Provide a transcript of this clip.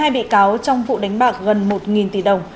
sáu mươi hai bị cáo trong vụ đánh bạc gần một tỷ đồng